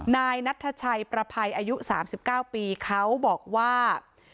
นายนัทชัยประภัยอายุ๓๙ปีเขาบอกว่า